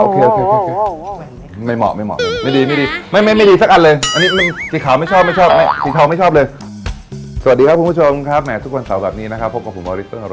เพียงลูกค้าเปลี่ยนใจหรอ